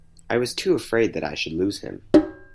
I was too afraid that I should lose him.